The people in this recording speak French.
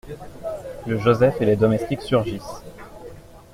Le Joseph et les domestiques surgissent.